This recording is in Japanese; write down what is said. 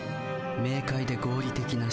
明快で合理的な思考。